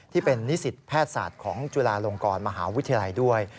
ที่เป็นนิสิตแพทย์ศาสตร์ของจุฬาลงกรมหาวิทยาลัยด้วย